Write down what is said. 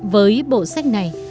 với bộ sách này